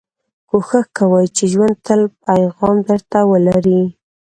کوښښ کوئ، چي ژوند تل پیغام در ته ولري.